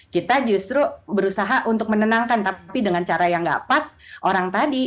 kita justru berusaha untuk menenangkan tapi dengan cara yang gak pas orang tadi